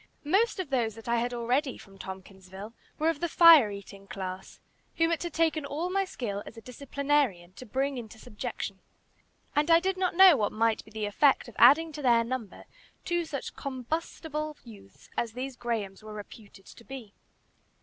Most of those that I had already from Tompkinsville were of the fire eating class, whom it had taken all my skill as a disciplinarian to bring into subjection, and I did not know what might be the effect of adding to their number two such combustible youths as these Grahams were reputed to be.